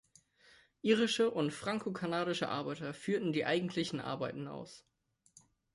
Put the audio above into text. Irische und frankokanadische Arbeiter führten die eigentlichen Arbeiten aus.